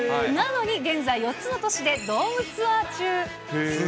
なのに現在、４つの都市でドームツアー中。